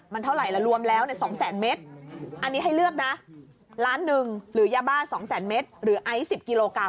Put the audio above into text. มันเท่าไหร่ละรวมแล้ว๒แสนเมตรอันนี้ให้เลือกนะล้านหนึ่งหรือยาบ้า๒แสนเมตรหรือไอซ์๑๐กิโลกรั